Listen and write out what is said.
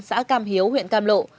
xã cam hiếu huyện cam lộ